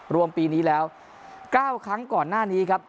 รวมปีนี้แล้ว๙ครั้งก่อนหน้านี้ครับ